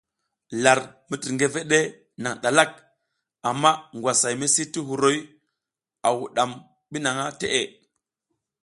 Lar mitirgeveɗ e naƞ ɗalak, amma ngwasay misi ti huruy o a wuɗam ɓi naha teʼe.